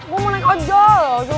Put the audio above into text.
gua mau naik ojol